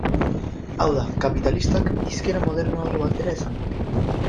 Hau da, kapitalistak, hizkera modernoago batez esanda.